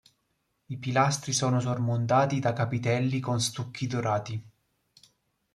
I pilastri sono sormontati da capitelli con stucchi dorati.